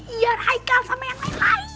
iya raikal sama yang lain lain